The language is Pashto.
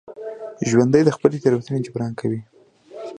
ژوندي د خپلې تېروتنې جبران کوي